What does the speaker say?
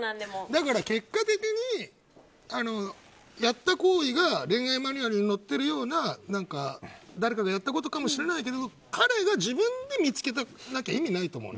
だから結果的にやった行為が恋愛マニュアルに載ってるような誰かがやったことかもしれないけど彼が自分で見つけなきゃ意味がないと思う。